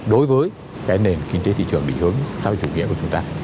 đối với cái nền kinh tế thị trường bị hướng sau chủ nghĩa của chúng ta